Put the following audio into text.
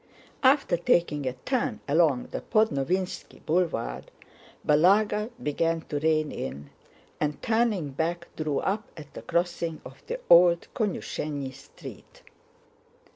After taking a turn along the Podnovínski Boulevard, Balagá began to rein in, and turning back drew up at the crossing of the old Konyúsheny Street.